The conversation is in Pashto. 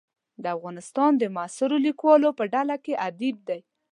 د افغانستان د معاصرو لیکوالو په ډله کې ادیب دی.